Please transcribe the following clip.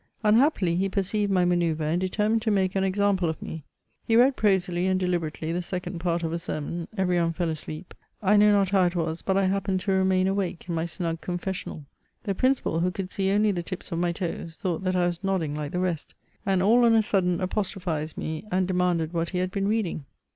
Unhappily, he perceived my ma noeuvre, and determined to make an example of me. He read prosily and deliberately the second part of a sermon ; every one fell asleep ; I know not how it was, but I happened to remain awake in my snug confessional. The Principal, who ooM see only the tips of my toes, thought that I was nodding Kke the rest, and all on a sudden apostrophized me, and demanded what he had been reading